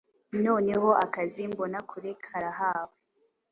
Noneho akazi mbona kure karahawe